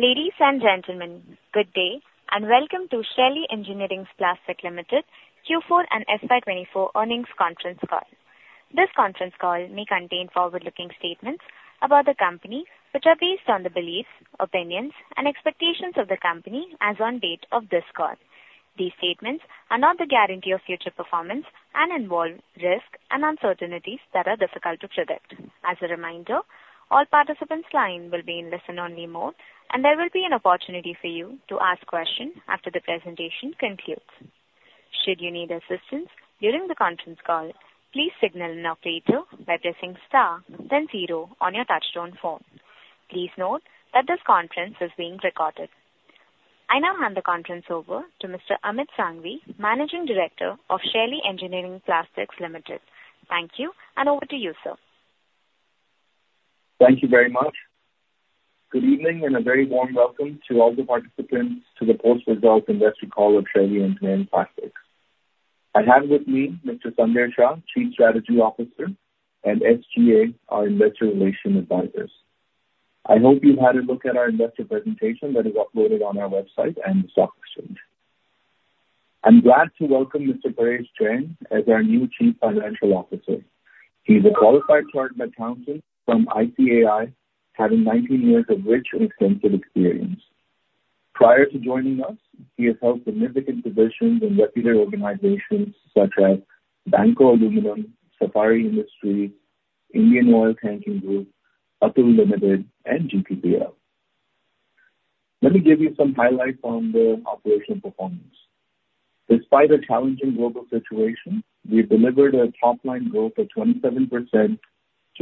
Ladies and gentlemen, good day, welcome to Shaily Engineering Plastics Limited Q4 and FY 2024 earnings conference call. This conference call may contain forward-looking statements about the company, which are based on the beliefs, opinions, and expectations of the company as on date of this call. These statements are not the guarantee of future performance and involve risks and uncertainties that are difficult to predict. As a reminder, all participants' line will be in listen-only mode, there will be an opportunity for you to ask questions after the presentation concludes. Should you need assistance during the conference call, please signal an operator by pressing star then zero on your touchtone phone. Please note that this conference is being recorded. I now hand the conference over to Mr. Amit Sanghvi, Managing Director of Shaily Engineering Plastics Limited. Thank you, over to you, sir. Thank you very much. Good evening, a very warm welcome to all the participants to the post-result investor call of Shaily Engineering Plastics. I have with me Mr. Sanjay Shah, Chief Strategy Officer, SGA, our investor relation advisors. I hope you've had a look at our investor presentation that is uploaded on our website and the stock exchange. I'm glad to welcome Mr. Paresh Jain as our new Chief Financial Officer. He's a qualified chartered accountant from ICAI, having 19 years of rich and extensive experience. Prior to joining us, he has held significant positions in reputed organizations such as Banco Aluminium, Safari Industries, Indian Oil Tanking Group, Atul Limited, and GTPL. Let me give you some highlights on the operational performance. Despite a challenging global situation, we've delivered a top-line growth of 27% to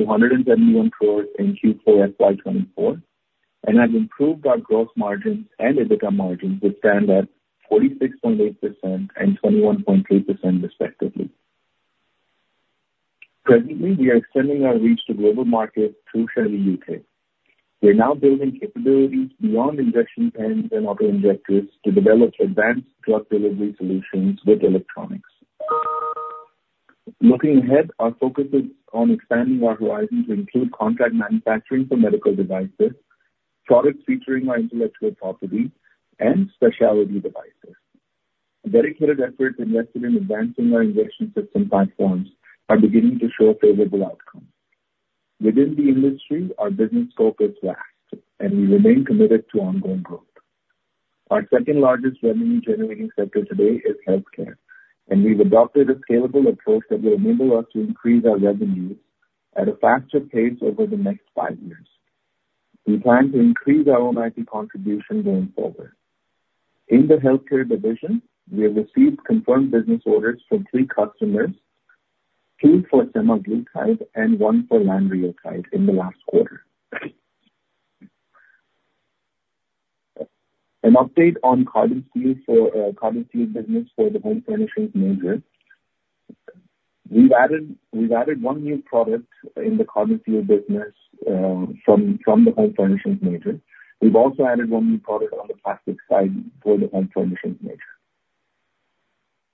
171 crore in Q4 FY 2024, have improved our gross margins and EBITDA margins to stand at 46.8% and 21.3%, respectively. Presently, we are extending our reach to global markets through Shaily UK. We are now building capabilities beyond injection molds and auto-injectors to develop advanced drug delivery solutions with electronics. Looking ahead, our focus is on expanding our horizon to include contract manufacturing for medical devices, products featuring our intellectual property, and speciality devices. Dedicated efforts invested in advancing our injection system platforms are beginning to show favorable outcomes. Within the industry, our business scope is vast, we remain committed to ongoing growth. Our second-largest revenue-generating sector today is healthcare, we've adopted a scalable approach that will enable us to increase our revenues at a faster pace over the next five years. We plan to increase our MIT contribution going forward. In the healthcare division, we have received confirmed business orders from three customers, two for semaglutide and one for lanreotide in the last quarter. An update on carbon steel business for the home furnishings major. We've added one new product in the carbon steel business from the home furnishings major. We've also added one new product on the plastics side for the home furnishings major.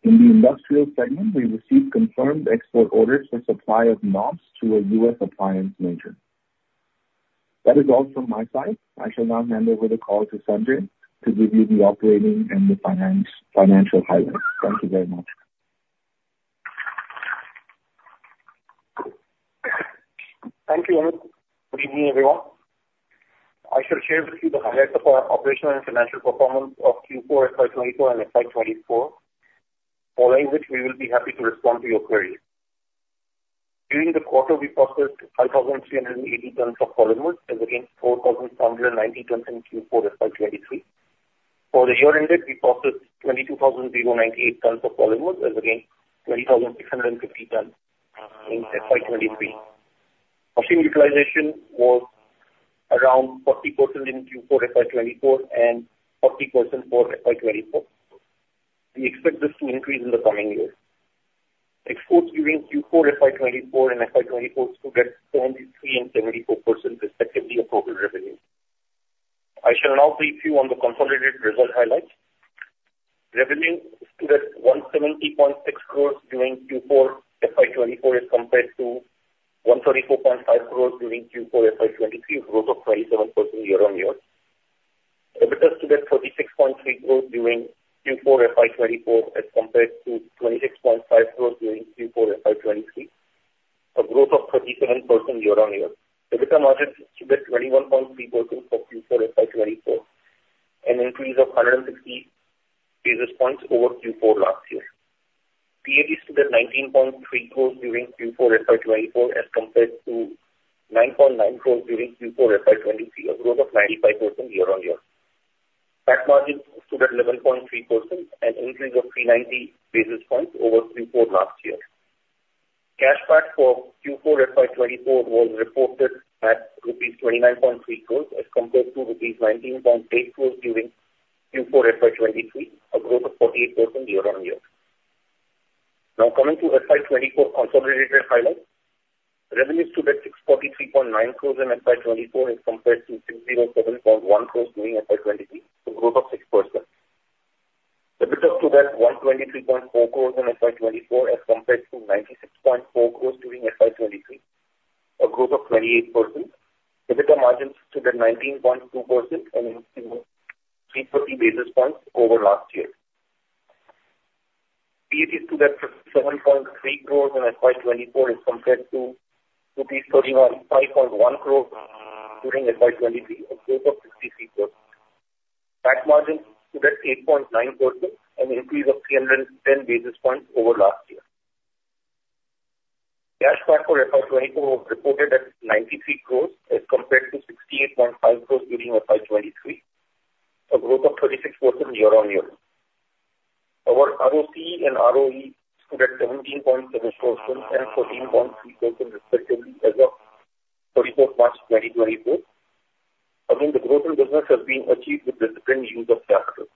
In the industrial segment, we received confirmed export orders for supply of knobs to a U.S. appliance major. That is all from my side. I shall now hand over the call to Sanjay to give you the operating and the financial highlights. Thank you very much. Thank you, Amit. Good evening, everyone. I shall share with you the highlights of our operational and financial performance of Q4 FY 2024 and FY 2024, following which we will be happy to respond to your queries. During the quarter, we processed 5,380 tons of polymers as against 4,790 tons in Q4 FY 2023. For the year ended, we processed 22,098 tons of polymers as against 20,650 tons in FY 2023. Machine utilization was around 40% in Q4 FY 2024 and 40% for FY 2024. We expect this to increase in the coming year. Exports during Q4 FY 2024 and FY 2024 stood at 43% and 74%, respectively, of total revenue. I shall now brief you on the consolidated result highlights. Revenue stood at 170.6 crores during Q4 FY 2024 as compared to 134.5 crores during Q4 FY 2023, a growth of 27% year-on-year. EBITDA stood at INR 36.3 crores during Q4 FY 2024 as compared to 26.5 crores during Q4 FY 2023, a growth of 37% year-on-year. EBITDA margin stood at 21.3% for Q4 FY 2024, an increase of 160 basis points over Q4 last year. PAT stood at 19.3 crores during Q4 FY 2024 as compared to 9.9 crores during Q4 FY 2023, a growth of 95% year-on-year. Tax margin stood at 11.3%, an increase of 390 basis points over Q4 last year. Cash PAT for Q4 FY 2024 was reported at rupees 29.3 crores as compared to rupees 19.8 crores during Q4 FY 2023, a growth of 48% year-on-year. Now, coming to FY 2024 consolidated highlights. Revenue stood at INR 643.9 crores in FY 2024 as compared to 607.1 crores during FY 2023, a growth of 6%. stood at 123.4 crores in FY 2024 as compared to 96.4 crores during FY 2023, a growth of 28%. EBITDA margins stood at 19.2%, an increase of 350 basis points over last year. PBT stood at 7.3 crores in FY 2024 as compared to rupees 5.1 crores during FY 2023, a growth of 63%. PAT margins stood at 8.9%, an increase of 310 basis points over last year. Cash flow for FY 2024 reported at 93 crores as compared to 68.5 crores during FY 2023, a growth of 36% year-on-year. Our ROCE and ROE stood at 17.7% and 14.3%, respectively, as of March 31, 2024. Again, the growth in business has been achieved with disciplined use of capital.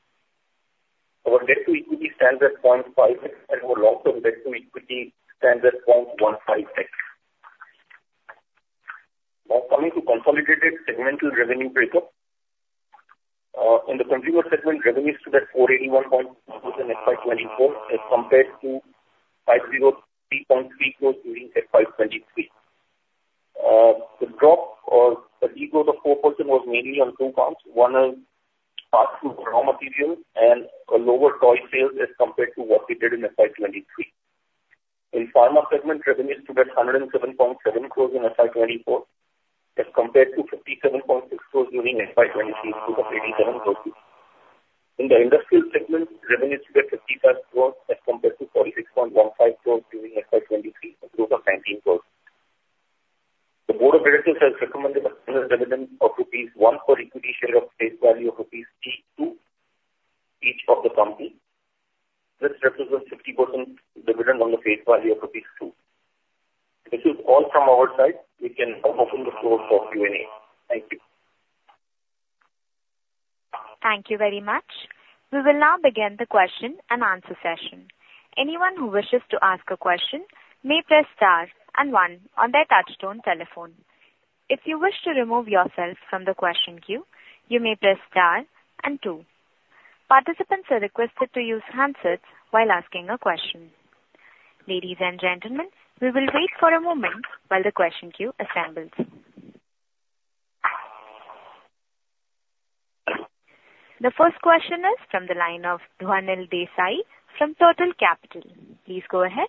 Our debt to equity stands at 0.5x and our long-term debt to equity stands at 0.15x. Now, coming to consolidated segmental revenue breakup. In the consumer segment, revenues stood at 481.2 crores in FY 2024 as compared to INR 503.3 crores during FY 2023. The drop or the de-growth of 4% was mainly on two counts. One is pass-through raw material and lower toy sales as compared to what we did in FY 2023. In pharma segment, revenues stood at 107.7 crores in FY 2024 as compared to 57.6 crores during FY 2023, a growth of 87%. In the industrial segment, revenues stood at 55 crores as compared to 46.15 crores during FY 2023, a growth of 19%. The board of directors has recommended a final dividend of rupees 1 per equity share of face value of rupees 2 each of the company. This represents 50% dividend on the face value of rupees 2. This is all from our side. We can open the floor for Q&A. Thank you. Thank you very much. We will now begin the question and answer session. Anyone who wishes to ask a question may press star and one on their touchtone telephone. If you wish to remove yourself from the question queue, you may press star and two. Participants are requested to use handsets while asking a question. Ladies and gentlemen, we will wait for a moment while the question queue assembles. The first question is from the line of Dhwanil Desai from Total Capital. Please go ahead.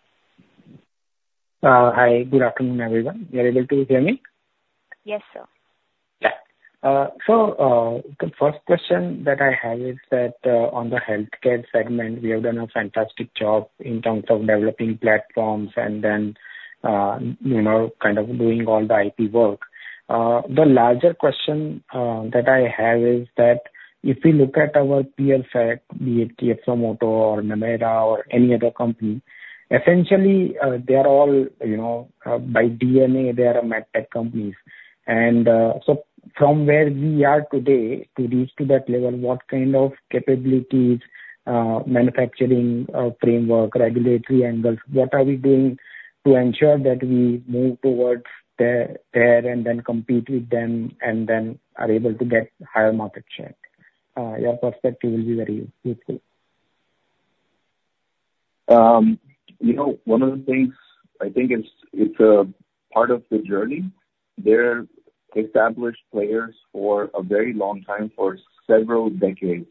Hi. Good afternoon, everyone. You are able to hear me? Yes, sir. Yeah. The first question that I have is that on the healthcare segment, we have done a fantastic job in terms of developing platforms and then kind of doing all the IP work. The larger question that I have is that if we look at our peer set, be it KF Moto or Nemera or any other company, essentially, they are all, you know, by DNA they are medtech companies. From where we are today to reach to that level, what kind of capabilities, manufacturing, framework, regulatory angles, what are we doing to ensure that we move towards there and then compete with them and then are able to get higher market share? Your perspective will be very useful. You know, one of the things I think is it's a part of the journey. They're established players for a very long time, for several decades.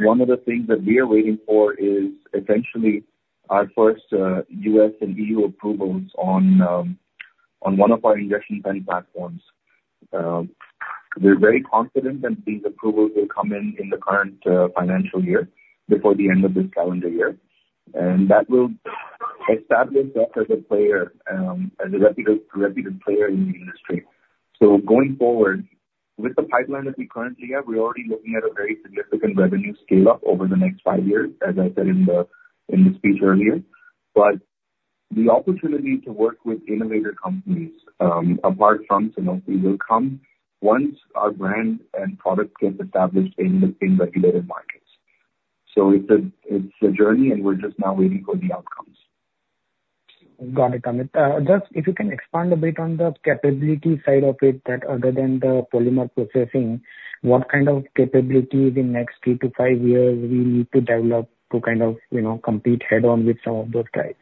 One of the things that we are waiting for is essentially our first U.S. and EU approvals on one of our injection molding platforms. We're very confident that these approvals will come in in the current financial year before the end of this calendar year. That will establish us as a player, as a reputed player in the industry. Going forward with the pipeline that we currently have, we're already looking at a very significant revenue scale up over the next five years, as I said in the speech earlier. The opportunity to work with innovator companies, apart from Ypsomed will come once our brand and product gets established in regulated markets. It's a journey, and we're just now waiting for the outcomes. Got it, Amit. Just if you can expand a bit on the capability side of it, that other than the polymer processing, what kind of capabilities in next 3-5 years we need to develop to kind of compete head-on with some of those guys?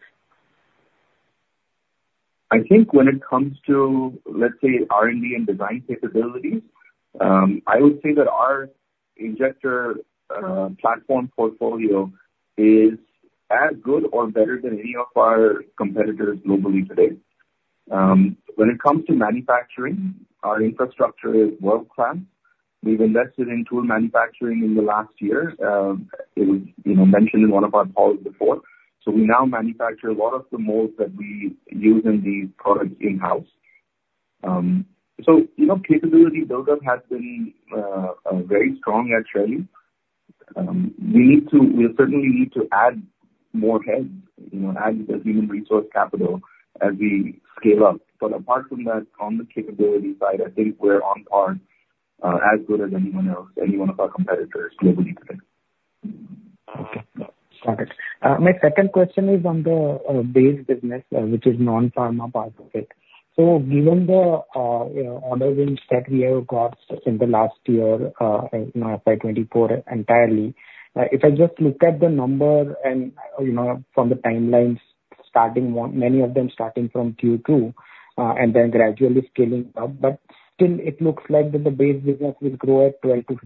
I think when it comes to, let's say, R&D and design capabilities, I would say that our injector platform portfolio is as good or better than any of our competitors globally today. When it comes to manufacturing, our infrastructure is world-class. We've invested in tool manufacturing in the last year. It was mentioned in one of our calls before. We now manufacture a lot of the molds that we use in these products in-house. Capability buildup has been very strong actually. We certainly need to add more heads, add the human resource capital as we scale up. Apart from that, on the capability side, I think we're on par, as good as anyone else, any one of our competitors globally today. Got it. My second question is on the base business, which is non-pharma part of it. Given the order wins that we have got in the last year, in FY 2024 entirely, if I just look at the number and from the timelines, many of them starting from Q2, then gradually scaling up, but still it looks like that the base business will grow at 12%-15%.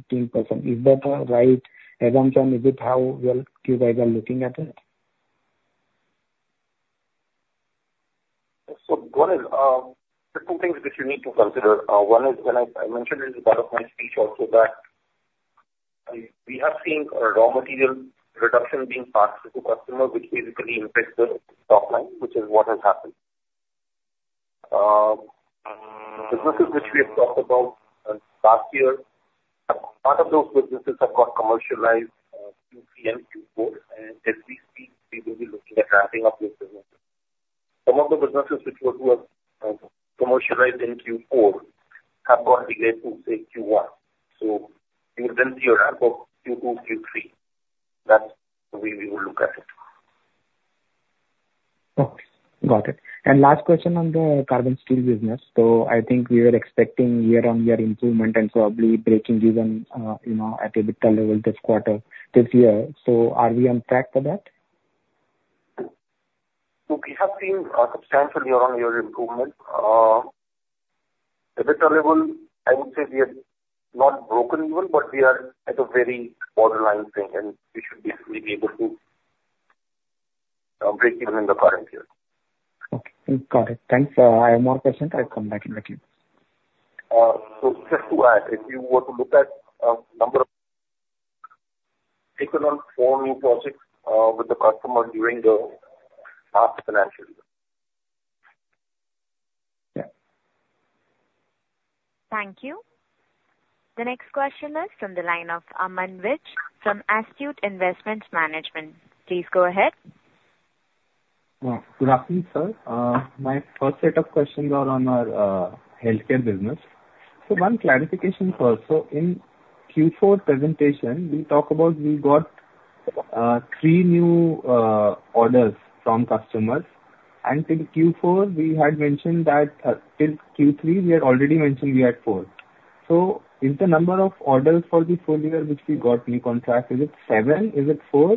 Is that right assumption? Is it how you guys are looking at it? One is, there are two things which you need to consider. One is, and I mentioned it as part of my speech also that we have seen a raw material reduction being passed to customers, which basically impacts the top line, which is what has happened. Businesses which we have talked about last year, part of those businesses have got commercialized Q3 and Q4, and as we speak, we will be looking at ramping up those businesses. Some of the businesses which were commercialized in Q4 have gone live in, say, Q1. You will then see a ramp of Q2, Q3. That's the way we will look at it. Okay, got it. Last question on the carbon steel business. I think we are expecting year-on-year improvement and probably breaking even at EBITDA level this quarter, this year. Are we on track for that? Look, we have seen a substantial year-on-year improvement. EBITDA level, I would say we have not broken even, but we are at a very borderline thing, and we should be able to break even in the current year. Okay, got it. Thanks. I have more questions. I'll come back if I can. Just to add, if you were to look at number of equivalent four new projects with the customer during the past financial year. Yeah. Thank you. The next question is from the line of Aman Vij from Astute Investment Management. Please go ahead. Yeah. Good afternoon, sir. My first set of questions are on our healthcare business. One clarification first. In Q4 presentation, we talk about we got three new orders from customers, and till Q4 we had mentioned that till Q3 we had already mentioned we had four. Is the number of orders for the full year which we got new contract, is it seven? Is it four?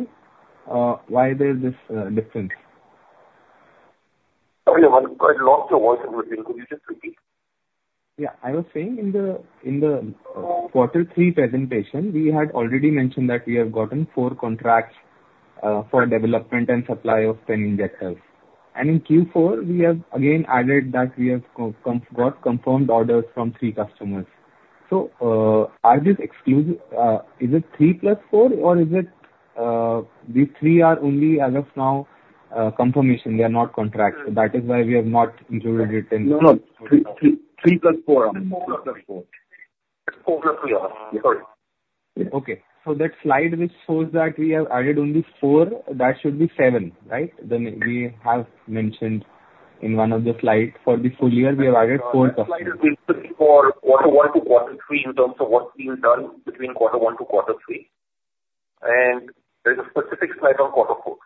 Why there's this difference? I lost your voice a little bit. Could you just repeat? Yeah. I was saying in the quarter three presentation, we had already mentioned that we have gotten four contracts for development and supply of 10 injectors. In Q4, we have again added that we have got confirmed orders from three customers. Are this exclusive? Is it three plus four or is it these three are only as of now confirmation, they are not contracts. That is why we have not included it in. No. Three plus four. It's four plus three. Sorry. Okay. That slide which shows that we have added only four, that should be seven, right? We have mentioned in one of the slides for the full year we have added four customers. That slide has been for quarter one to quarter three in terms of what's being done between quarter one to quarter three. There's a specific slide on quarter four.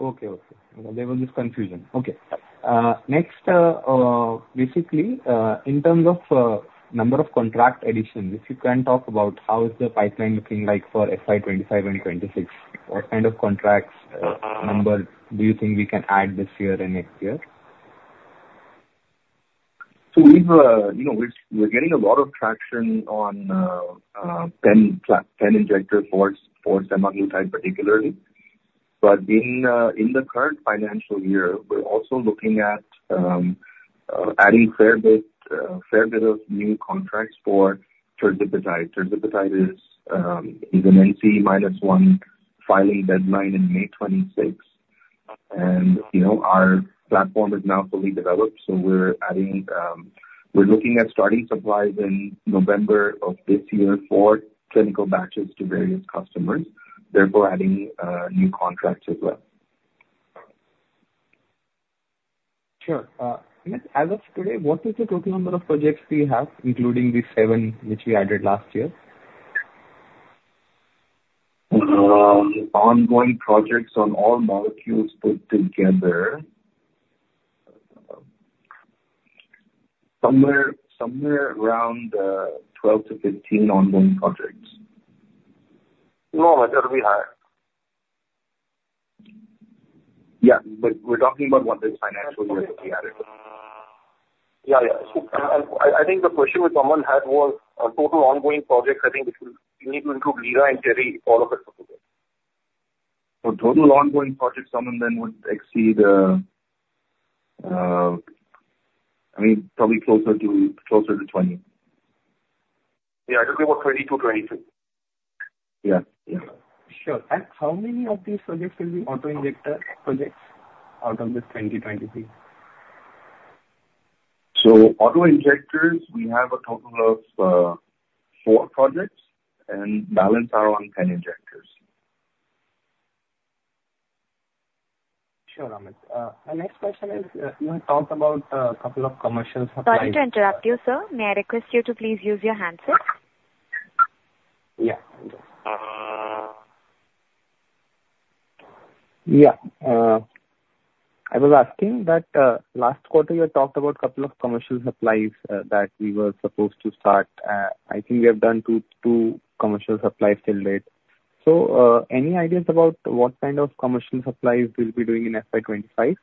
Okay. There was this confusion. Okay. Next, basically, in terms of number of contract additions, if you can talk about how is the pipeline looking like for FY 2025 and 2026. What kind of contracts, number do you think we can add this year and next year? We're getting a lot of traction on pen injector ports for semaglutide particularly. In the current financial year, we're also looking at adding fair bit of new contracts for tirzepatide. Tirzepatide is in an NCE-1 filing deadline in May 2026. Our platform is now fully developed, so we're looking at starting supplies in November of this year for clinical batches to various customers, therefore adding new contracts as well. Sure. As of today, what is the total number of projects we have, including the seven which we added last year? Ongoing projects on all molecules put together, somewhere around 12 to 15 ongoing projects. No, it will be higher. Yeah. We're talking about what this financial year that we added. Yeah. I think the question which Aman had was on total ongoing projects, I think which will need to include lira and terry, all of it together. For total ongoing projects, Aman, would exceed, I mean, probably closer to 20. Yeah. I was thinking about 20 to 23. Yeah. Sure. How many of these subjects will be auto-injector projects out of this 20, 23? Auto-injectors, we have a total of four projects and balance are on 10 injectors. Sure, Amit. My next question is, you talked about a couple of commercial supplies. Sorry to interrupt you, sir. May I request you to please use your handset? I was asking that last quarter you had talked about a couple of commercial supplies that we were supposed to start. I think we have done two commercial supplies till late. Any ideas about what kind of commercial supplies we'll be doing in FY 2025?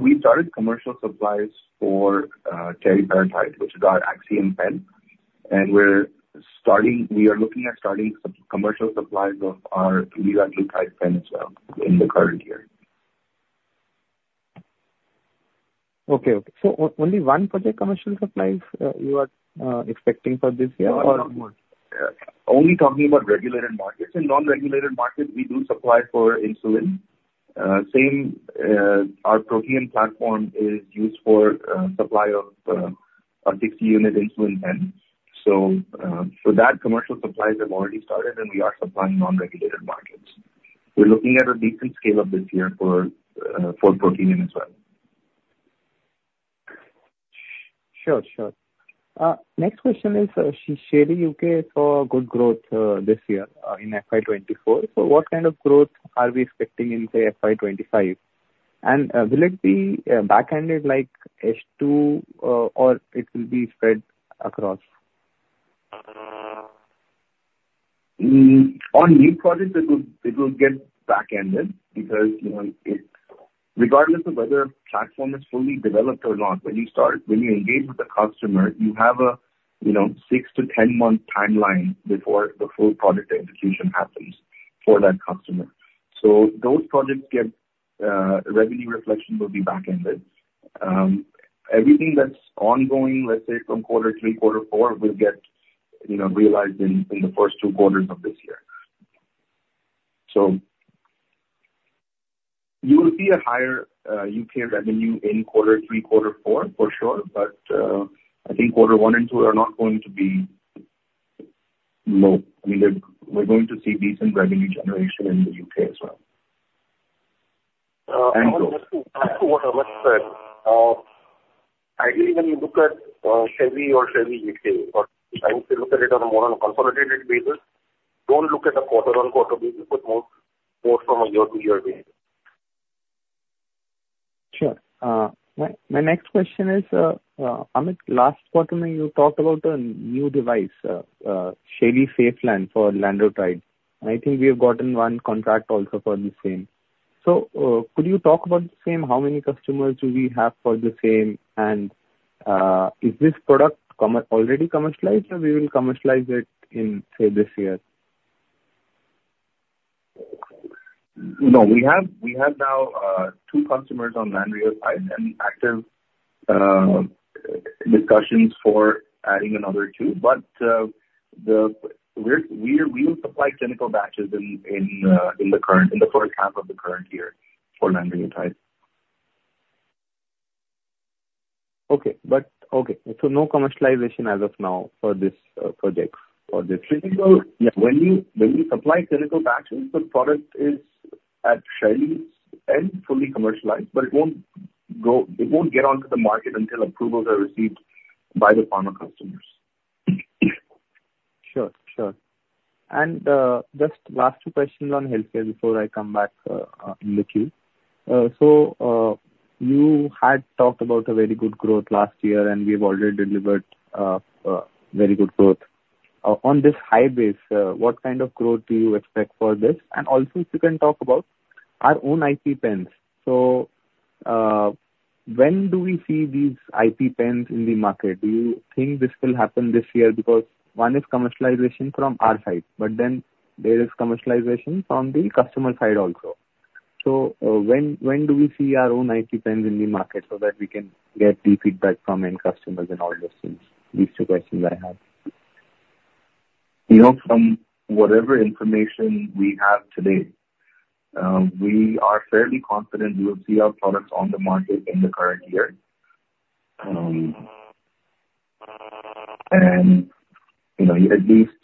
We started commercial supplies for teriparatide, which is our Axiom pen. We are looking at starting commercial supplies of our liraglutide pen as well in the current year. Only one project commercial supplies you are expecting for this year or- Only talking about regulated markets. In non-regulated markets, we do supply for insulin. Same, our Protean platform is used for supply of our 60-unit insulin pen. For that, commercial supplies have already started and we are supplying non-regulated markets. We're looking at a decent scale up this year for Protean as well. Sure. Next question is, Shaily UK saw good growth this year in FY 2024, so what kind of growth are we expecting in, say, FY 2025? Will it be back-ended like H2, or it will be spread across? On new projects, it will get back-ended because regardless of whether a platform is fully developed or not, when you engage with the customer, you have a six to 10-month timeline before the full product execution happens for that customer. Those projects, revenue reflection will be back-ended. Everything that's ongoing, let's say from quarter three, quarter four, will get realized in the first two quarters of this year. You will see a higher UK revenue in quarter three, quarter four for sure, but I think quarter one and two are not going to be low. We're going to see decent revenue generation in the UK as well. Just to add to what Amit said. Ideally, when you look at Shaily or Shaily UK, or I would look at it on a more on a consolidated basis, don't look at the quarter-on-quarter basis, but more from a year-to-year basis. Sure. My next question is, Amit, last quarter you talked about a new device, ShailySafe LAN for lanreotide and I think we have gotten one contract also for the same. Could you talk about the same, how many customers do we have for the same, and is this product already commercialized or we will commercialize it in, say, this year? No. We have now two customers on lanreotide and active discussions for adding another two. We'll supply clinical batches in the first half of the current year for lanreotide. Okay. No commercialization as of now for this project. When we supply clinical batches, the product is at Shaily's end fully commercialized, but it won't get onto the market until approvals are received by the pharma customers. Sure. Just last two questions on healthcare before I come back in the queue. You had talked about a very good growth last year, and we've already delivered very good growth. On this high base, what kind of growth do you expect for this? Also if you can talk about our own IP pens. When do we see these IP pens in the market? Do you think this will happen this year? One is commercialization from our side, but then there is commercialization from the customer side also. When do we see our own IP pens in the market so that we can get the feedback from end customers and all those things? These two questions I have. From whatever information we have today, we are fairly confident we will see our products on the market in the current year.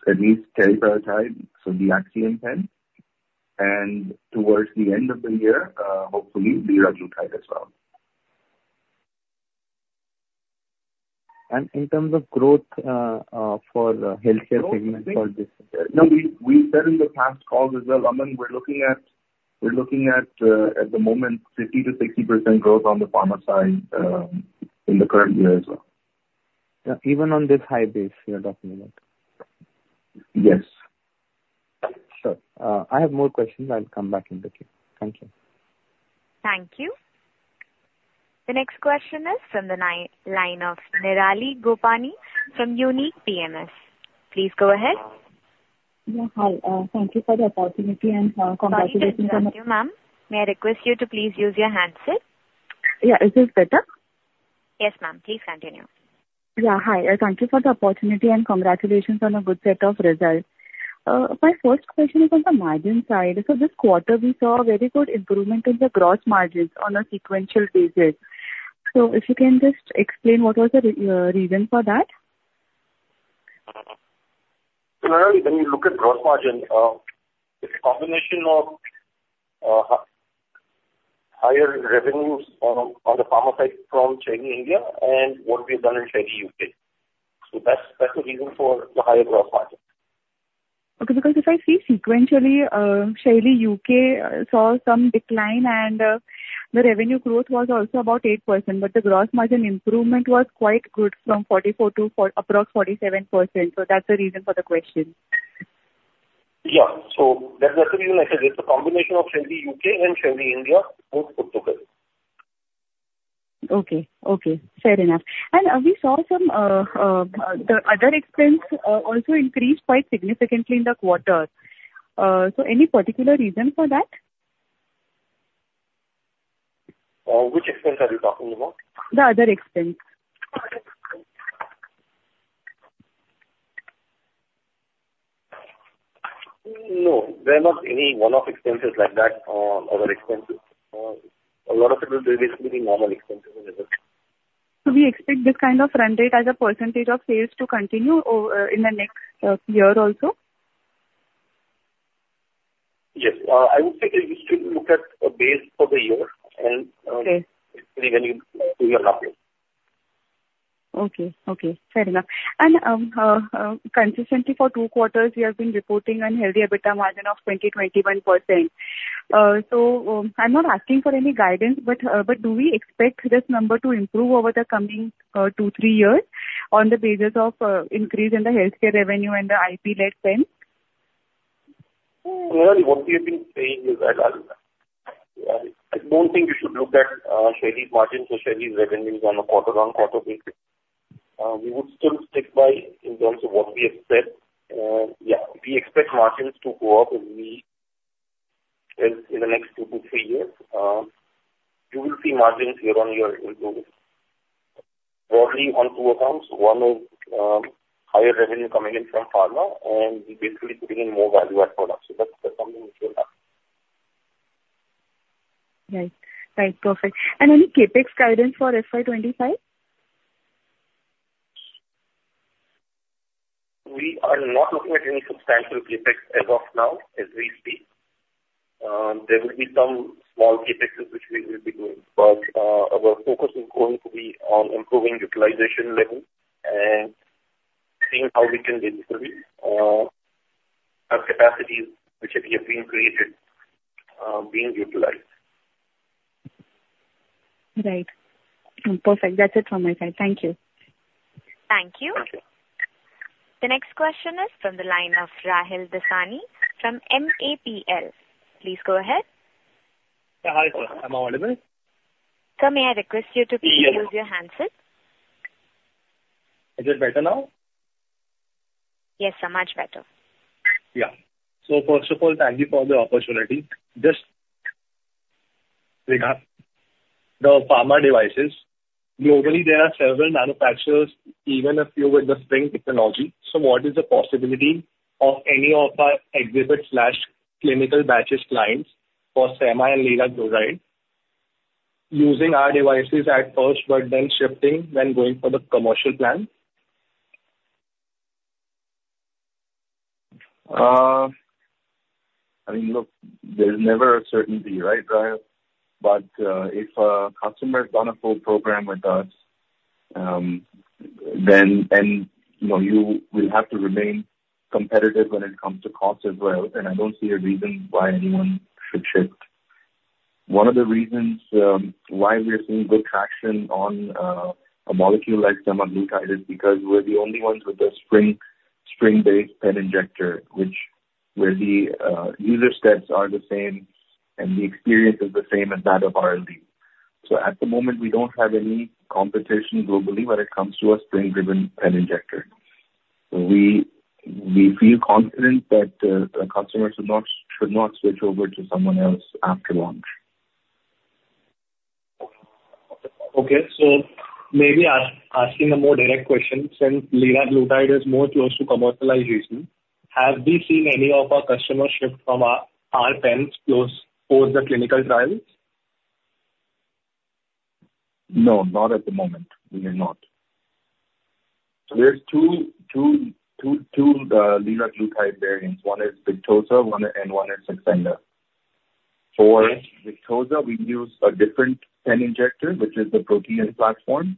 At least teriparatide, so the Axiom pen, and towards the end of the year, hopefully liraglutide as well. In terms of growth for the healthcare segment for this- No, we said in the past calls as well, Aman, we're looking at the moment, 50%-60% growth on the pharma side in the current year as well. Even on this high base you're talking about? Yes. Sure. I have more questions. I'll come back in the queue. Thank you. Thank you. The next question is from the line of Nirali Gopani from Unique PMS. Please go ahead. Yeah. Hi. Thank you for the opportunity and congratulations on- Sorry to interrupt you, ma'am. May I request you to please use your handset? Yeah, is this better? Yes, ma'am. Please continue. Yeah. Hi. Thank you for the opportunity and congratulations on a good set of results. My first question is on the margin side. This quarter, we saw a very good improvement in the gross margins on a sequential basis. If you can just explain what was the reason for that? When you look at gross margin, it's a combination of higher revenues on the pharma side from Shaily India and what we've done in Shaily UK. That's the reason for the higher gross margin. Okay. Because if I see sequentially, Shaily UK saw some decline, and the revenue growth was also about 8%, but the gross margin improvement was quite good from 44 to approx 47%. That's the reason for the question. Yeah. That's the reason I said it's a combination of Shaily UK and Shaily India, both put together. Okay. Fair enough. We saw The other expense also increased quite significantly in the quarter. Any particular reason for that? Which expense are you talking about? The other expense. There are not any one-off expenses like that on our expenses. A lot of it will be basically normal expenses. We expect this kind of run rate as a percentage of sales to continue in the next year also? Yes. I would say we still look at a base for the year and- Okay. Basically when you do your modeling. Okay. Fair enough. Consistently for two quarters, we have been reporting unhealthy EBITDA margin of 20%-21%. I'm not asking for any guidance, but do we expect this number to improve over the coming two, three years on the basis of increase in the healthcare revenue and the IP led spend? What we have been saying is that I don't think you should look at Shaily's margins or Shaily's revenues on a quarter-on-quarter basis. We would still stick by in terms of what we expect. Yeah, we expect margins to go up in the next two to three years. You will see margins year-on-year improve broadly on two accounts. One is higher revenue coming in from pharma, and we're basically putting in more value-add products. That's something which will happen. Right. Perfect. Any CapEx guidance for FY 2025? We are not looking at any substantial CapEx as of now, as we speak. There will be some small CapExes which we will be doing, but our focus is going to be on improving utilization levels and seeing how we can basically have capacities which have been created, being utilized. Right. Perfect. That's it from my side. Thank you. Thank you. Thank you. The next question is from the line of Rahil Dasani from MAPL. Please go ahead. Yeah. Hi, sir. I'm audible? Sir, may I request you to please use your handset? Is it better now? Yes, sir. Much better. First of all, thank you for the opportunity. Just, regarding, the pharma devices, globally there are several manufacturers, even a few with the spring technology. What is the possibility of any of our exhibit/clinical batches clients for semaglutide using our devices at first, but then shifting when going for the commercial plan? Look, there's never a certainty, right, Rahil? If a customer's done a full program with us, then you will have to remain competitive when it comes to cost as well, and I don't see a reason why anyone should shift. One of the reasons why we're seeing good traction on a molecule like semaglutide is because we're the only ones with a spring-based pen injector, which where the user steps are the same and the experience is the same as that of RLB. At the moment, we don't have any competition globally when it comes to a spring-driven pen injector. We feel confident that the customers should not switch over to someone else after launch. Okay. Maybe asking a more direct question, since liraglutide is more close to commercialization, have we seen any of our customers shift from our pens post the clinical trials? No, not at the moment. We have not. There's two liraglutide variants. One is Victoza and one is Saxenda. For Victoza, we use a different pen injector, which is the Protean platform,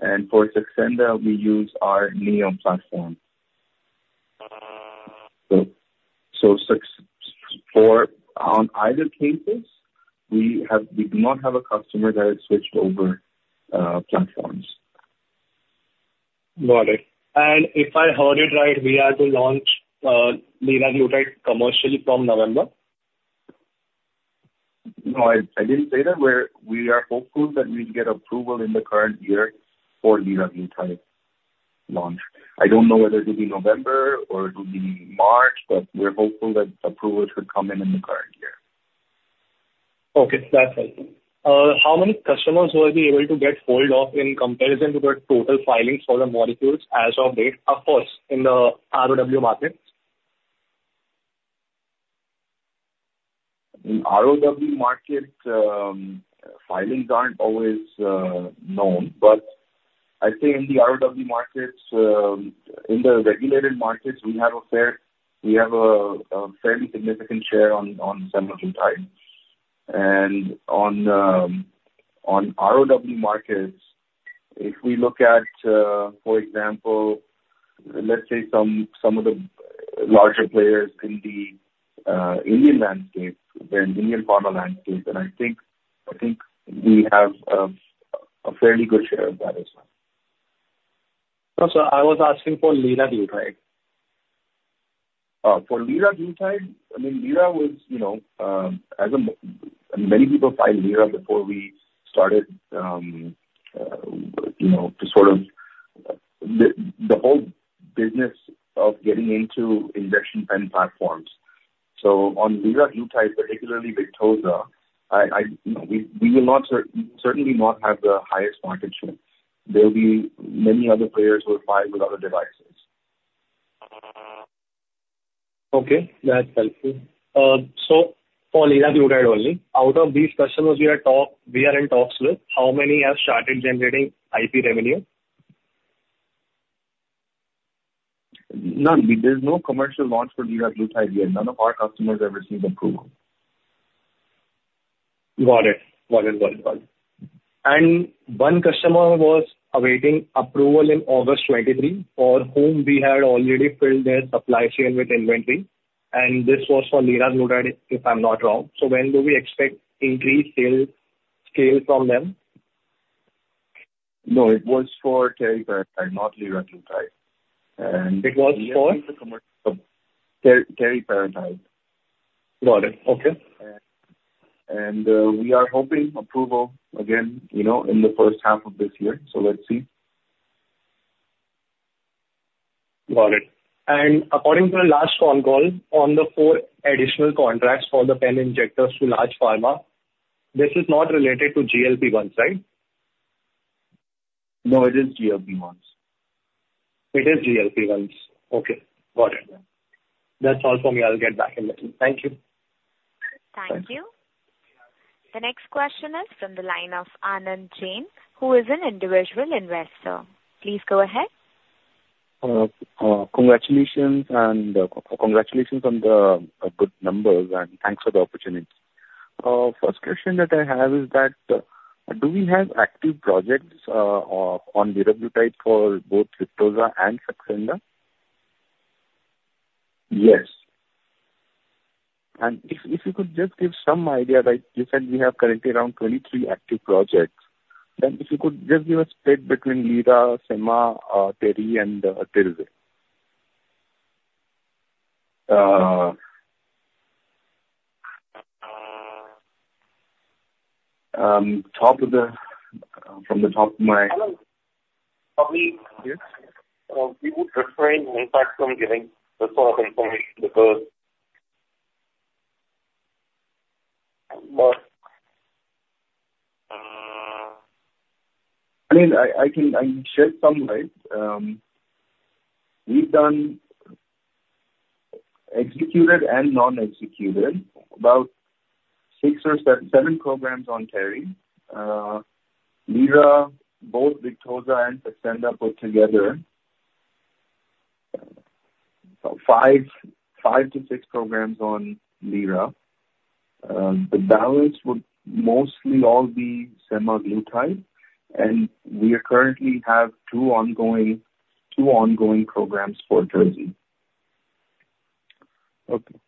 and for Saxenda, we use our Neo platform. On either cases, we do not have a customer that has switched over platforms. Got it. If I heard it right, we are to launch liraglutide commercially from November? No, I didn't say that. We are hopeful that we'd get approval in the current year for liraglutide launch. I don't know whether it'll be November or it'll be March, but we're hopeful that approval should come in in the current year. Okay. That's helpful. How many customers will be able to get hold of in comparison to the total filings for the molecules as of date, of course, in the ROW market? In ROW markets, filings aren't always known. I think in the ROW markets, in the regulated markets, we have a fairly significant share on semaglutide. On ROW markets, if we look at, for example, let's say some of the larger players in the Indian landscape, the Indian pharma landscape, I think we have a fairly good share of that as well. No, sir, I was asking for liraglutide. For liraglutide, many people filed liraglutide before we started the whole business of getting into injection pen platforms. On liraglutide, particularly Victoza, we will certainly not have the highest market share. There will be many other players who will file with other devices. That's helpful. For liraglutide only, out of these customers we are in talks with, how many have started generating IP revenue? None. There's no commercial launch for liraglutide yet. None of our customers have received approval. Got it. One customer was awaiting approval in August 2023 for whom we had already filled their supply chain with inventory, and this was for liraglutide, if I'm not wrong. When do we expect increased sales scale from them? No, it was for teriparatide, not liraglutide. It was for? Teriparatide. Got it. Okay. We are hoping approval again in the first half of this year. Let's see. Got it. According to the last phone call on the four additional contracts for the pen injectors to large pharma, this is not related to GLP-1s, right? No, it is GLP-1s. It is GLP-1s. Okay, got it. That's all from me. I'll get back in touch. Thank you. Thank you. The next question is from the line of Anand Jain, who is an individual investor. Please go ahead. Congratulations on the good numbers, and thanks for the opportunity. First question that I have is that, do we have active projects on liraglutide for both Victoza and Saxenda? Yes. If you could just give some idea. You said we have currently around 23 active projects. If you could just give a split between lira, sema, teri, and tirzo. From the top of my- Anand, probably- Yes. We would refrain, in fact, from giving the sort of information because I can share some light. We've done, executed and non-executed, about six or seven programs on teri. lira, both Victoza and Saxenda put together. So five to six programs on lira. The balance would mostly all be semaglutide. And we currently have two ongoing programs for tirzi. Okay.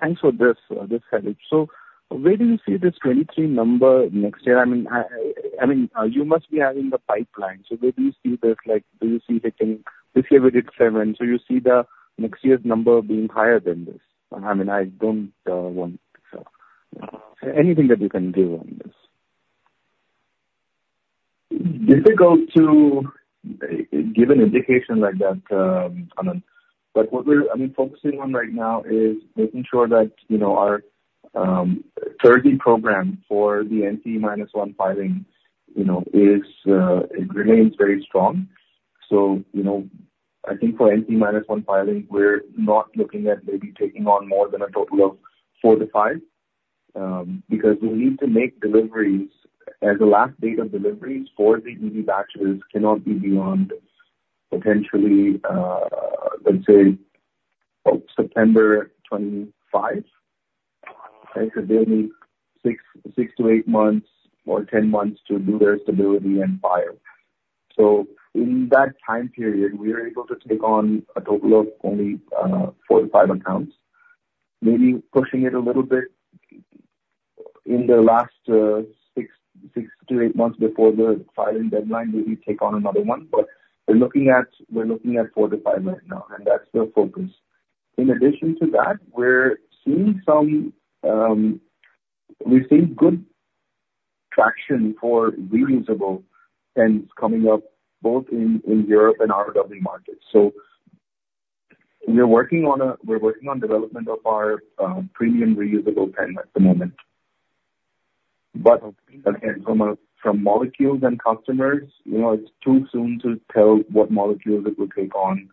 Thanks for this, Khaleh. Where do you see this 2023 number next year? You must be having the pipeline. Where do you see this? This year we did seven. Do you see the next year's number being higher than this? I don't want to tell. Anything that you can give on this. Difficult to give an indication like that, Anand. What we're focusing on right now is making sure that our tirzi program for the NCE-1 filing remains very strong. I think for NCE-1 filing, we're not looking at maybe taking on more than a total of four to five, because we need to make deliveries and the last date of deliveries for the BE batches cannot be beyond potentially, let's say, September 2025. They need six to eight months or 10 months to do their stability and file. In that time period, we are able to take on a total of only four to five accounts. Maybe pushing it a little bit in the last six to eight months before the filing deadline, maybe take on another one. But we're looking at four to five right now, and that's the focus. In addition to that, we're seeing good traction for reusable pens coming up both in Europe and ROW markets. We're working on development of our premium reusable pen at the moment. Again, from molecules and customers, it's too soon to tell what molecules it will take on,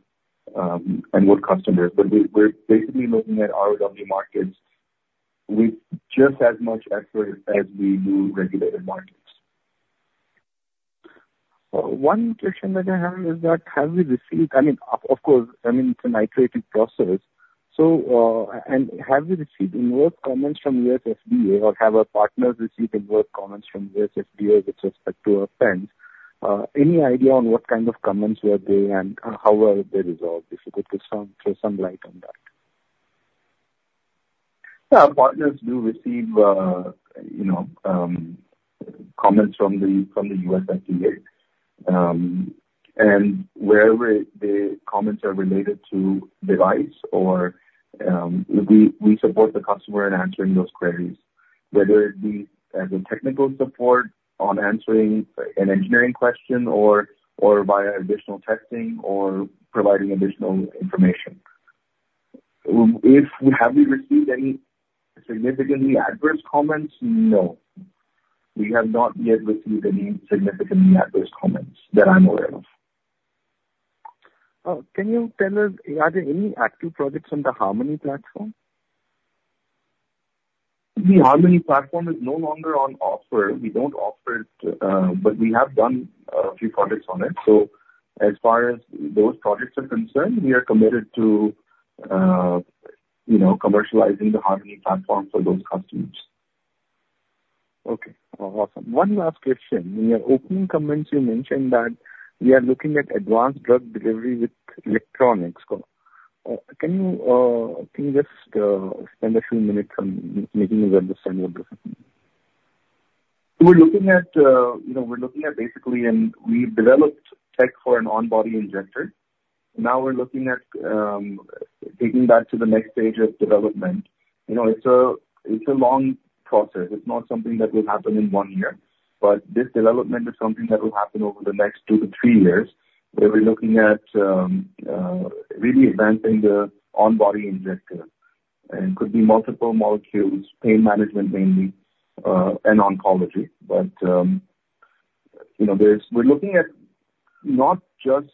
and what customers. But we're basically looking at ROW markets with just as much effort as we do regulated markets. One question that I have is that have you received-- Of course, it's an iterative process. And have you received any work comments from U.S. FDA or have our partners received any work comments from U.S. FDA with respect to our pens? Any idea on what kind of comments were they and how were they resolved? If you could just throw some light on that. Our partners do receive comments from the U.S. FDA. Wherever the comments are related to device, we support the customer in answering those queries, whether it be as a technical support on answering an engineering question or via additional testing or providing additional information. Have we received any significantly adverse comments? No. We have not yet received any significantly adverse comments that I'm aware of. Can you tell us, are there any active projects on the Harmony platform? The Harmony platform is no longer on offer. We don't offer it. We have done a few projects on it. As far as those projects are concerned, we are committed to commercializing the Harmony platform for those customers. Okay. Awesome. One last question. In your opening comments, you mentioned that we are looking at advanced drug delivery with electronics. Can you just spend a few minutes making me understand what this is? We developed tech for an on-body injector. We're looking at taking that to the next stage of development. It's a long process. It's not something that will happen in one year. This development is something that will happen over the next two to three years, where we're looking at really advancing the on-body injector. Could be multiple molecules, pain management mainly, and oncology. We're looking at not just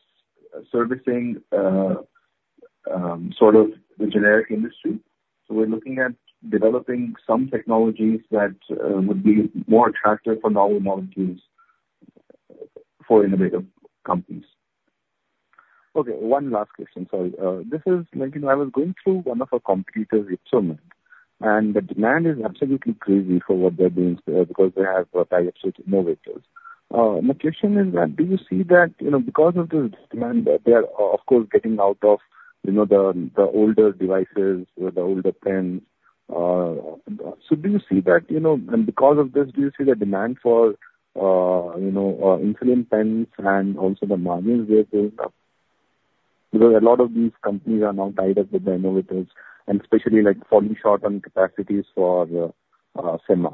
servicing the generic industry. We're looking at developing some technologies that would be more attractive for novel molecules for innovative companies. Okay, one last question. Sorry. I was going through one of our competitor's instrument, the demand is absolutely crazy for what they're doing there because they have tied up with innovators. My question is that, do you see that, because of this demand, they are of course, getting out of the older devices or the older pens. Do you see that? Because of this, do you see the demand for insulin pens and also the margins they're paying up? Because a lot of these companies are now tied up with the innovators and especially falling short on capacities for semi.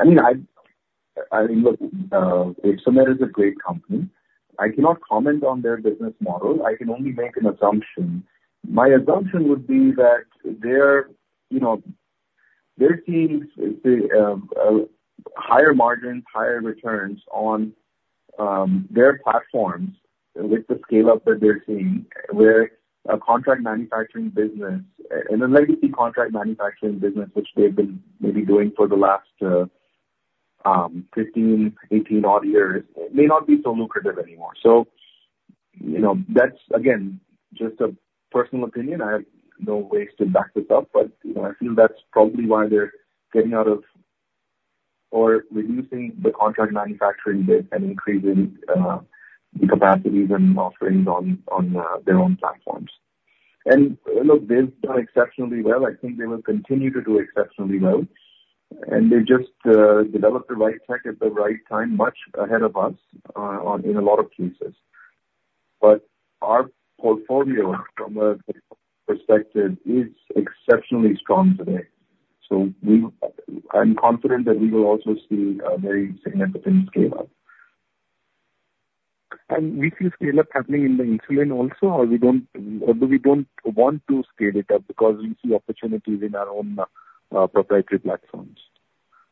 Look, Insulet is a great company. I cannot comment on their business model. I can only make an assumption. My assumption would be that they're seeing higher margins, higher returns on their platforms with the scale-up that they're seeing, where a contract manufacturing business and an legacy contract manufacturing business, which they've been maybe doing for the last 15, 18 odd years, may not be so lucrative anymore. That's again, just a personal opinion. I have no ways to back this up, but I feel that's probably why they're getting out of or reducing the contract manufacturing bit and increasing the capacities and offerings on their own platforms. Look, they've done exceptionally well. I think they will continue to do exceptionally well. They just developed the right tech at the right time, much ahead of us in a lot of cases. Our portfolio from a perspective is exceptionally strong today. I'm confident that we will also see a very significant scale-up. We see scale-up happening in the insulin also, or we don't want to scale it up because we see opportunities in our own proprietary platforms? If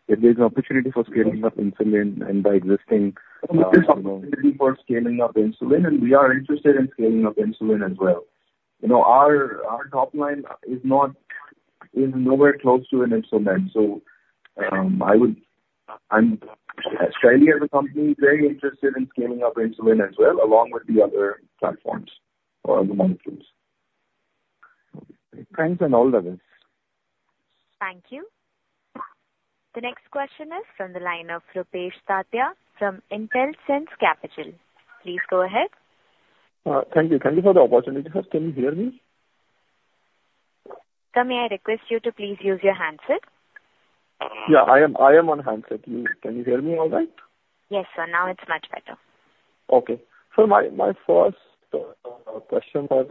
there's an opportunity for scaling up insulin. There's opportunity for scaling up insulin, and we are interested in scaling up insulin as well. Our top line is nowhere close to an Insulet. Shaily as a company is very interested in scaling up insulin as well, along with the other platforms or other molecules. Thanks on all levels. Thank you. The next question is from the line of Rupesh Tatiya from Intelsense Capital. Please go ahead. Thank you. Thank you for the opportunity. Sir, can you hear me? Sir, may I request you to please use your handset? Yeah, I am on handset. Can you hear me all right? Yes, sir. Now it's much better. My first question was,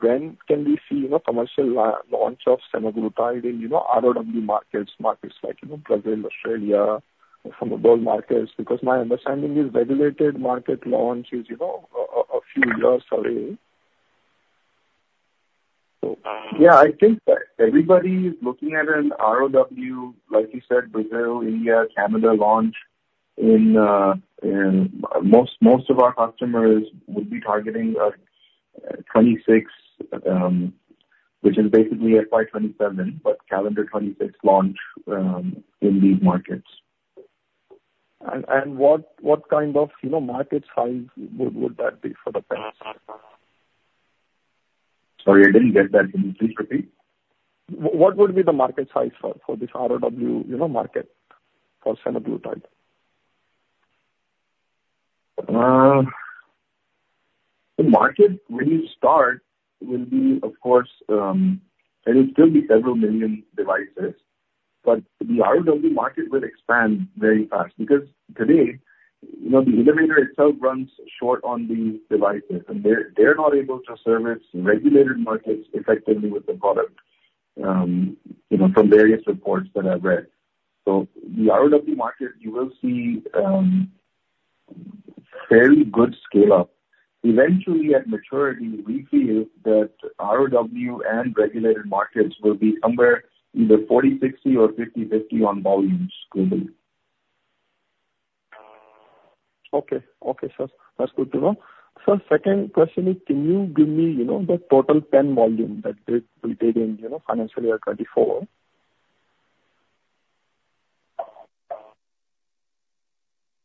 when can we see commercial launch of semaglutide in ROW markets like Brazil, Australia, some of those markets? Because my understanding is regulated market launch is a few years away. Yeah, I think that everybody is looking at an ROW, like you said, Brazil, India, Canada launch. Most of our customers would be targeting 2026, which is basically FY 2027, but calendar 2026 launch in these markets. What kind of market size would that be for the Sorry, I didn't get that. Can you please repeat? What would be the market size for this ROW market for semaglutide? The market, when you start, it will still be several million devices. The ROW market will expand very fast because today, the innovator itself runs short on these devices and they're not able to service regulated markets effectively with the product from various reports that I've read. The ROW market, you will see very good scale-up. Eventually, at maturity, we feel that ROW and regulated markets will be somewhere either 40/60 or 50/50 on volumes globally. Okay. That's good to know. Sir, second question is, can you give me the total pen volume that they will take in financial year 2024?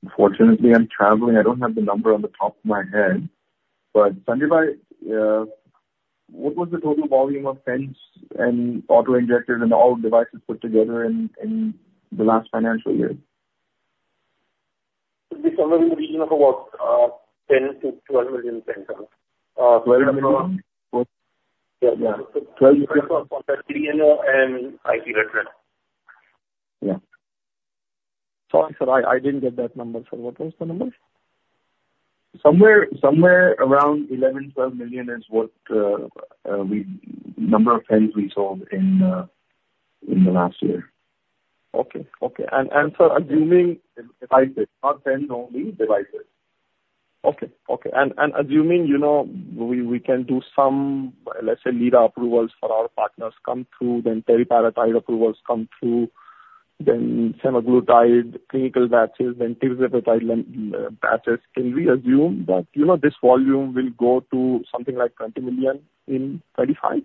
Unfortunately, I'm traveling. I don't have the number on the top of my head. Sanjay, what was the total volume of pens and auto-injectors and all devices put together in the last financial year? It will be somewhere in the region of about 10 million-12 million pens. 12 million? Yeah. 12 million. IP address. Yeah. Sorry, sir, I didn't get that number. Sir, what was the number? Somewhere around 11 million-12 million is what number of pens we sold in the last year. Okay. Sir. Devices. Not pens only, devices. Okay. Assuming we can do some, let's say, lead approvals for our partners come through, then teriparatide approvals come through, then semaglutide clinical batches, then tirzepatide batches. Can we assume that this volume will go to something like 20 million in 2035?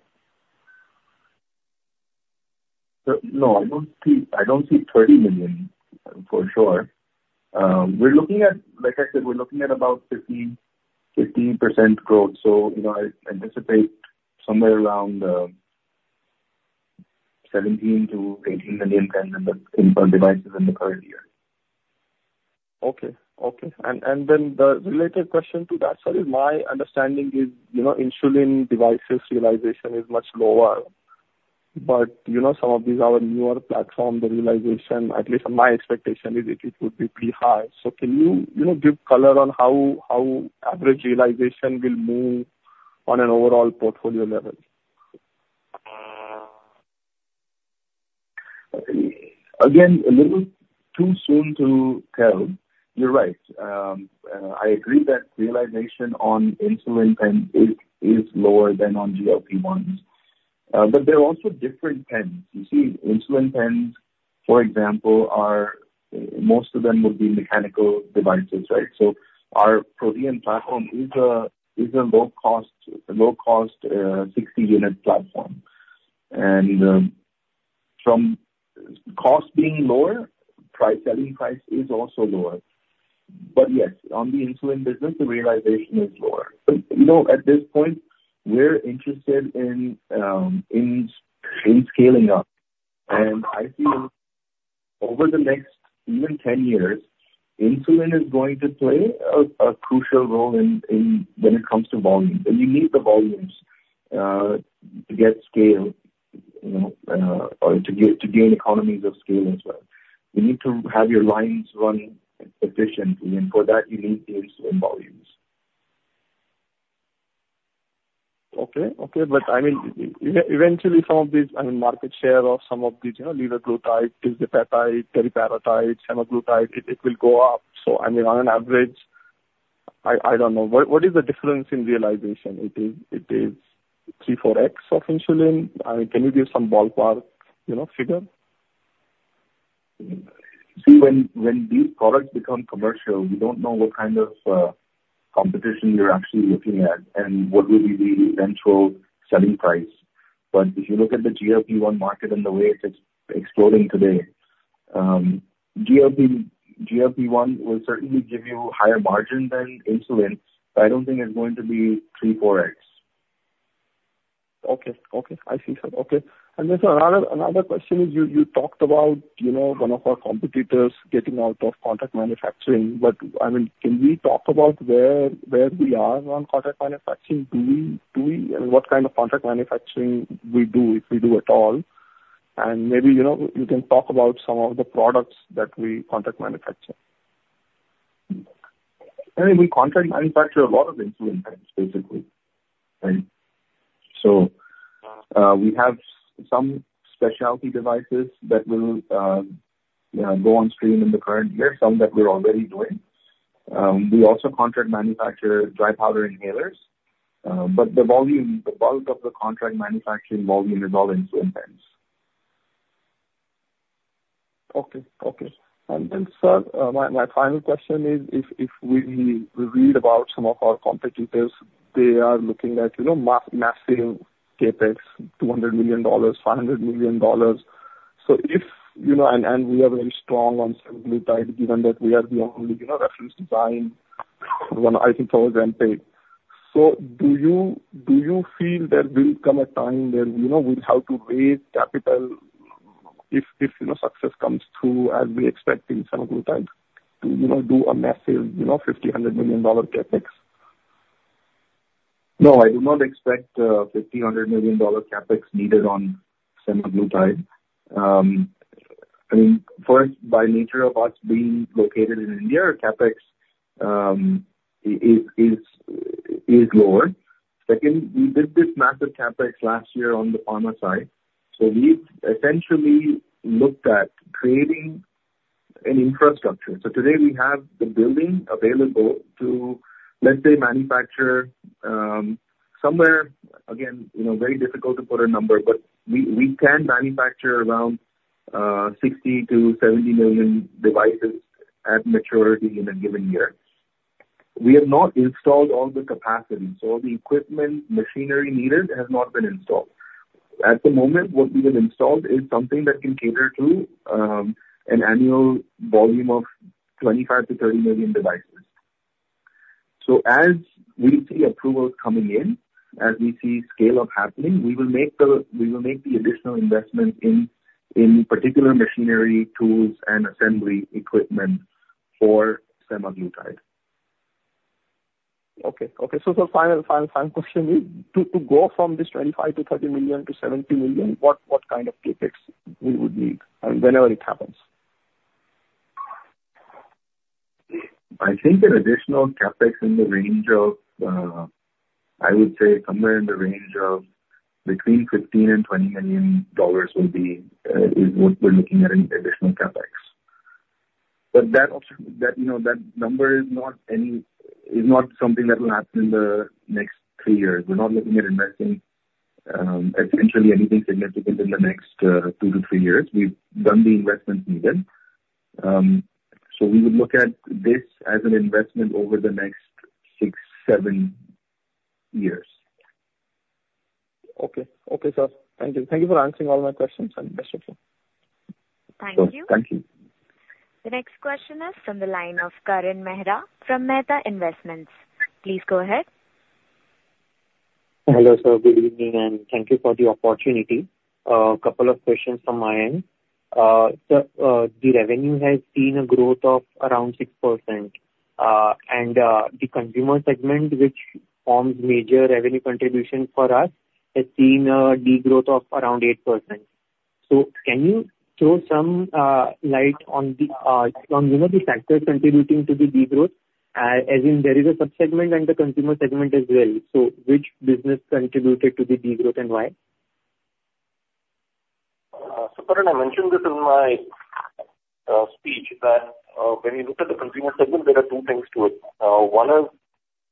No, I don't see 30 million, for sure. Like I said, we're looking at about 15% growth. I anticipate somewhere around 17-18 million pens in devices in the current year. Okay. Then the related question to that, sir, is my understanding is insulin devices realization is much lower. Some of these are our newer platform, the realization, at least my expectation is it would be pretty high. Can you give color on how average realization will move on an overall portfolio level? Again, a little too soon to tell. You're right. I agree that realization on insulin pen is lower than on GLP-1. There are also different pens. You see, insulin pens, for example, most of them would be mechanical devices. Our Protean platform is a low-cost 60-unit platform. From cost being lower, selling price is also lower. Yes, on the insulin business, the realization is lower. At this point, we're interested in scaling up. I feel over the next even 10 years, insulin is going to play a crucial role when it comes to volumes. You need the volumes to get scale or to gain economies of scale as well. You need to have your lines running efficiently, and for that, you need the insulin volumes. Okay. Eventually, some of these market share of some of these liraglutide, tirzepatide, teriparatide, semaglutide, it will go up. On an average, I don't know, what is the difference in realization? It is 3, 4x of insulin? Can you give some ballpark figure? See, when these products become commercial, you don't know what kind of competition you're actually looking at and what will be the eventual selling price. If you look at the GLP-1 market and the way it is exploding today, GLP-1 will certainly give you higher margin than insulin, I don't think it's going to be 3, 4x. Okay. I see, sir. Okay. Sir, another question is you talked about one of our competitors getting out of contract manufacturing. Can we talk about where we are on contract manufacturing? What kind of contract manufacturing we do, if we do at all? Maybe you can talk about some of the products that we contract manufacture. We contract manufacture a lot of insulin pens, basically. Right? We have some specialty devices that will go on stream in the current year, some that we're already doing. We also contract manufacture dry powder inhalers. The bulk of the contract manufacturing volume is all in insulin pens. Okay. Sir, my final question is if we read about some of our competitors, they are looking at massive CapEx, $200 million, $500 million. We are very strong on semaglutide, given that we are the only reference design I think, for Ozempic. Do you feel there will come a time where we'll have to raise capital if success comes through as we expect in semaglutide to do a massive $50 million-$100 million CapEx? No, I do not expect $50 million-$100 million CapEx needed on semaglutide. First, by nature of us being located in India, our CapEx is lower. Second, we did this massive CapEx last year on the pharma side. We've essentially looked at creating an infrastructure. Today we have the building available to, let's say, manufacture somewhere. Again, very difficult to put a number, but we can manufacture around 60 million-70 million devices at maturity in a given year. We have not installed all the capacity. All the equipment, machinery needed has not been installed. At the moment, what we have installed is something that can cater to an annual volume of 25 million-30 million devices. As we see approvals coming in, as we see scale-up happening, we will make the additional investment in particular machinery, tools, and assembly equipment for semaglutide. Okay. Final question is, to go from this 25 million-30 million to 70 million, what kind of CapEx we would need, and whenever it happens? I think an additional CapEx in the range of, I would say somewhere in the range of between $15 million-$20 million is what we're looking at in additional CapEx. That number is not something that will happen in the next three years. We're not looking at investing essentially anything significant in the next two to three years. We've done the investments needed. We would look at this as an investment over the next six, seven years. Okay, sir. Thank you. Thank you for answering all my questions, and best wishes. Thank you. Thank you. The next question is from the line of Karan Mehra from Mehta Investments. Please go ahead. Hello, sir. Good evening, and thank you for the opportunity. A couple of questions from my end. Sir, the revenue has seen a growth of around 6%. The consumer segment, which forms major revenue contribution for us, has seen a degrowth of around 8%. Can you throw some light on the factors contributing to the degrowth? As in, there is a sub-segment and the consumer segment as well. Which business contributed to the degrowth, and why? Karan, I mentioned this in my speech that when you look at the consumer segment, there are two things to it. One is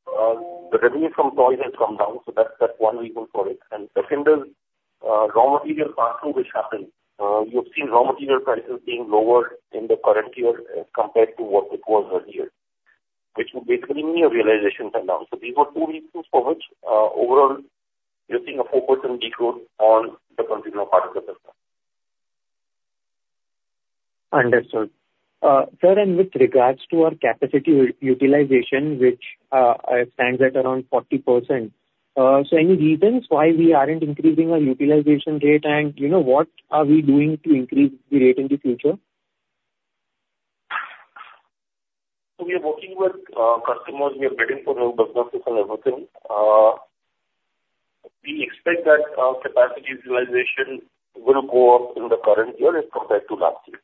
the revenue from toys has come down, so that's one reason for it. The second is raw material pass-through which happened. You've seen raw material prices being lower in the current year compared to what it was earlier, which will basically mean your realizations are down. These were two reasons for which overall you're seeing a 4% degrowth on the consumer part of the business. Understood. Sir, with regards to our capacity utilization, which stands at around 40%. Any reasons why we aren't increasing our utilization rate, and what are we doing to increase the rate in the future? We are working with customers. We are bidding for new businesses and everything. We expect that our capacity utilization will go up in the current year as compared to last year.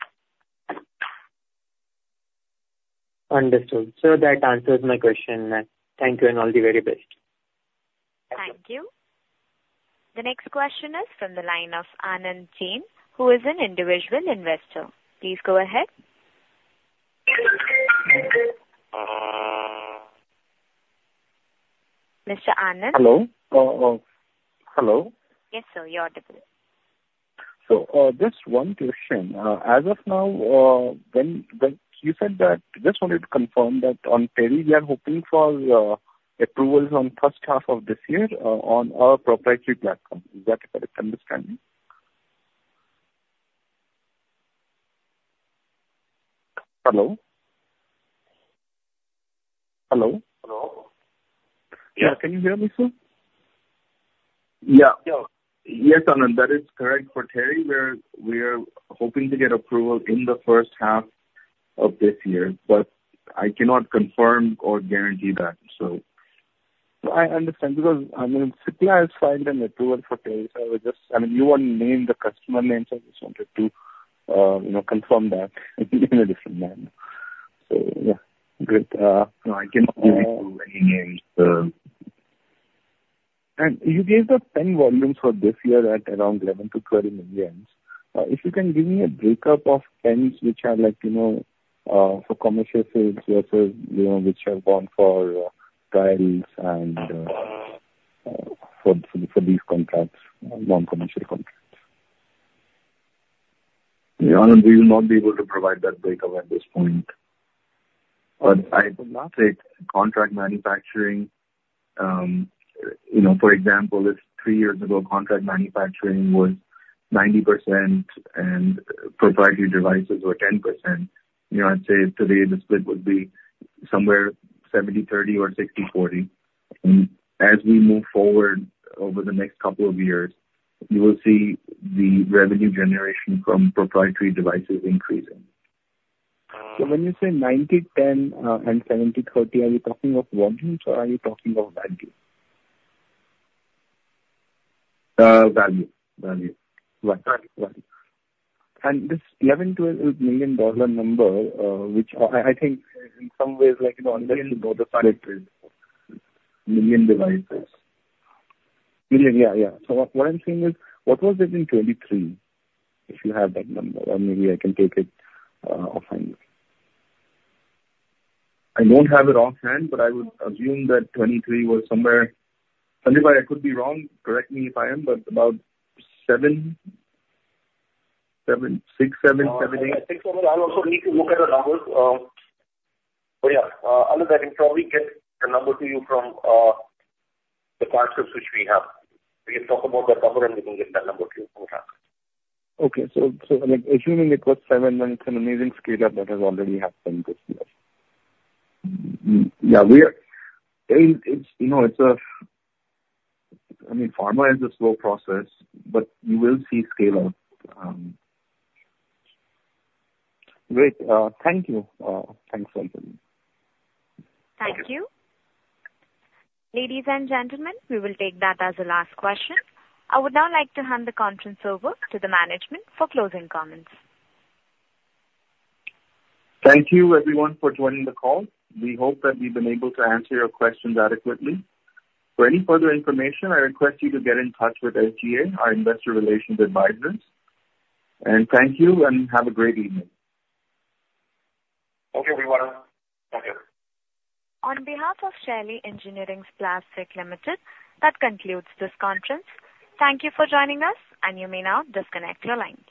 Understood. Sir, that answers my question. Thank you, all the very best. Thank you. The next question is from the line of Anand Jain, who is an individual investor. Please go ahead. Mr. Anand. Hello. Yes, sir. You're audible. Just one question. As of now, you said that, just wanted to confirm that on teriparatide, we are hoping for approvals on first half of this year on our proprietary platform. Is that a correct understanding? Hello? Hello? Hello. Yeah. Can you hear me, sir? Yeah. Yes, Anand. That is correct. For teriparatide, we are hoping to get approval in the first half of this year. I cannot confirm or guarantee that, so. No, I understand because Cipla has filed an approval for teriparatide. You won't name the customer names. I just wanted to confirm that in a different manner. Yeah, good. No, I cannot give you too many names. You gave the pen volumes for this year at around 11 to 12 million. If you can give me a breakup of pens which are for commercial sales versus which have gone for trials and for these contracts, non-commercial contracts. Anand, we will not be able to provide that breakup at this point. I would now say contract manufacturing, for example, if three years ago contract manufacturing was 90% and proprietary devices were 10%, I'd say today the split would be somewhere 70/30 or 60/40. As we move forward over the next couple of years, you will see the revenue generation from proprietary devices increasing. When you say 90/10 and 70/30, are you talking of volumes or are you talking of value? Value. Value. This $11 million-$12 million number, which I think in some ways, Million devices. Million, yeah. What I'm saying is, what was it in 2023, if you have that number? Or maybe I can take it offhand. I don't have it offhand, I would assume that 2023 was somewhere Sandeep, I could be wrong, correct me if I am, about seven, six, seven eight. I think so I also need to look at the numbers. Yeah, Anand, I can probably get the number to you from the concepts which we have. We can talk about that number and we can get that number to you. No problem. Okay. Assuming it was seven, it's an amazing scale-up that has already happened this year. Yeah. Pharma is a slow process, but you will see scale up. Great. Thank you. Thanks, Sandeep. Thank you. Ladies and gentlemen, we will take that as the last question. I would now like to hand the conference over to the management for closing comments. Thank you everyone for joining the call. We hope that we've been able to answer your questions adequately. For any further information, I request you to get in touch with SGA, our investor relations advisors. Thank you and have a great evening. Okay, we will. Thank you. On behalf of Shaily Engineering Plastics Limited, that concludes this conference. Thank you for joining us, and you may now disconnect your line.